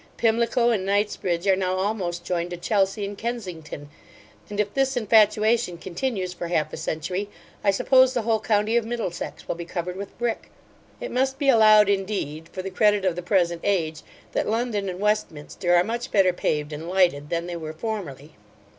Pimlico and Knightsbridge are now almost joined to Chelsea and Kensington; and if this infatuation continues for half a century, I suppose the whole county of Middlesex will be covered with brick. It must be allowed, indeed, for the credit of the present age, that London and Westminster are much better paved and lighted than they were formerly.